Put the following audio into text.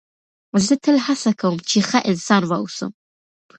زه تل هڅه کوم، چي ښه انسان واوسم.